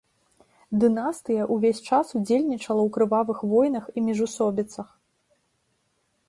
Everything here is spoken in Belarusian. Дынастыя ўвесь час ўдзельнічала ў крывавых войнах і міжусобіцах.